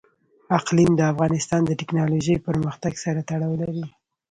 اقلیم د افغانستان د تکنالوژۍ پرمختګ سره تړاو لري.